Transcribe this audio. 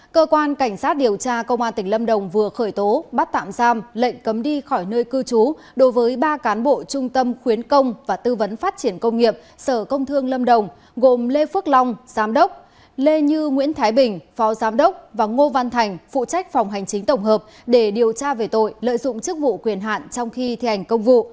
cơ quan cảnh sát điều tra bộ công an tỉnh lâm đồng vừa khởi tố bắt tạm giam lệnh cấm đi khỏi nơi cư trú đối với ba cán bộ trung tâm khuyến công và tư vấn phát triển công nghiệp sở công thương lâm đồng gồm lê phước long giám đốc lê như nguyễn thái bình phó giám đốc và ngô văn thành phụ trách phòng hành chính tổng hợp để điều tra về tội lợi dụng chức vụ quyền hạn trong khi thi hành công vụ